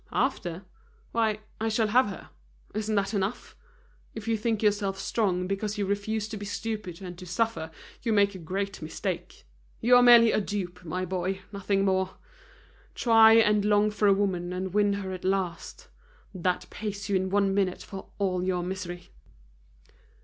"After? Why, I shall have her! Isn't that enough? If you think yourself strong, because you refuse to be stupid and to suffer, you make a great mistake! You are merely a dupe, my boy, nothing more! Try and long for a woman and win her at last: that pays you in one minute for all your misery."